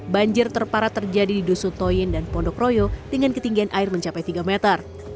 banjir terparah terjadi di dusun toyen dan pondok royo dengan ketinggian air mencapai tiga meter